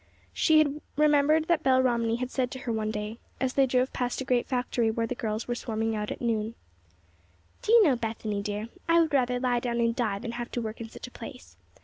She had remembered that Belle Romney had said to her one day, as they drove past a great factory where the girls were swarming out at noon: "Do you know, Bethany dear, I would rather lie down and die than have to work in such a place.